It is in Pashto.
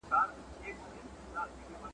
پر جهان یې غوړېدلی سلطنت وو `